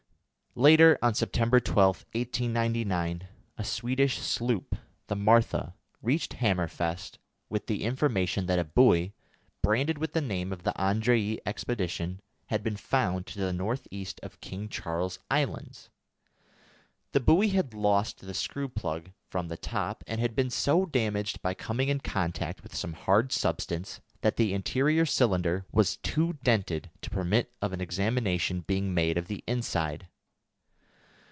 Later, on September 12th, 1899, a Swedish sloop, the Martha, reached Hammerfest with the information that a buoy, branded with the name of the Andrée expedition, had been found to the north east of King Charles Islands. The buoy had lost the screw plug from the top, and had been so damaged by coming in contact with some hard substance that the interior cylinder was too dented to permit of an examination being made of the inside.